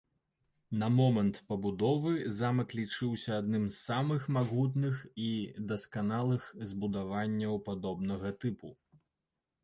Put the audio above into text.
На момант пабудовы замак лічыўся адным з самых магутных і дасканалых збудаванняў падобнага тыпу.